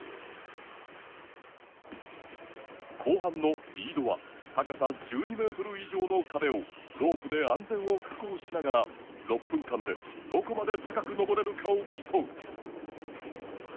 後半のリードは高さ１２メートル以上の壁をロープで安全を確保しながら６分間でどこまで高く登れるかを競う。